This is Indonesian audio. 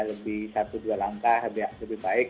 lebih satu dua langkah lebih baik